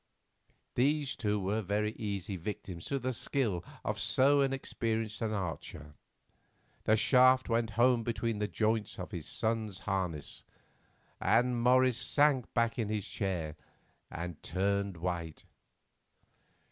These two were easy victims to the skill of so experienced an archer. The shaft went home between the joints of his son's harness, and Morris sank back in his chair and turned white.